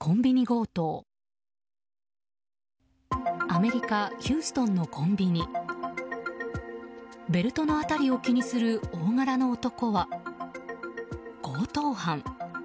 アメリカ・ヒューストンのコンビニベルトの辺りを気にする大柄の男は強盗犯。